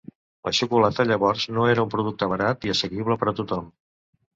La xocolata, llavors, no era un producte barat i assequible per a tothom.